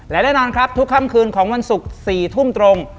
และแน่นอนครับทุกค่ำคืนของวันศุกร์๔ทุ่มตรง